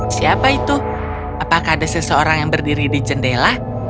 siapa itu apakah ada seseorang yang berdiri di jendela